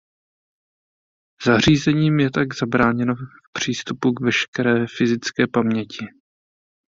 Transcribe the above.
Zařízením je tak zabráněno v přístupu k veškeré fyzické paměti.